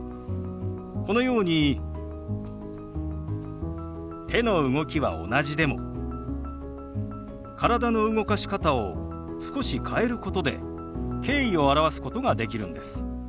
このように手の動きは同じでも体の動かし方を少し変えることで敬意を表すことができるんです。